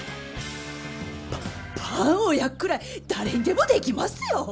パパンを焼くくらい誰にでもできますよ！